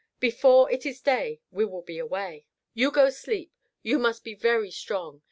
Before it is day we will be away. You go sleep. You must be very strong.